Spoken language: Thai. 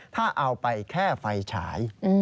ถ้าเอาไปแค่ไฟฉาย